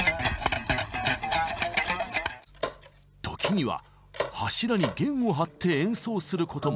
時には柱に弦を張って演奏することも。